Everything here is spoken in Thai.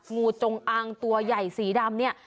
งูจงอางตัวใหญ่สีดำเนี่ย